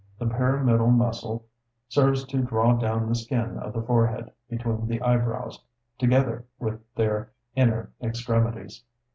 The pyramidal muscle serves to draw down the skin of the forehead between the eyebrows, together with their inner extremities.